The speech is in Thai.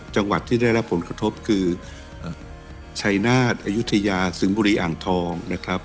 จังหวัดที่ได้รับผลกระทบคือชัยนาฏอายุทยาสิงห์บุรีอ่างทองนะครับ